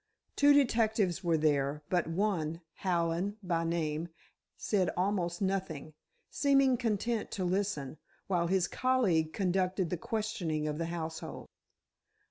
Two detectives were there, but one, Hallen by name, said almost nothing, seeming content to listen, while his colleague conducted the questioning of the household.